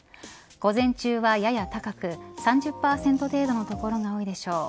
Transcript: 午前中はやや高く３０％程度の所が多いでしょう。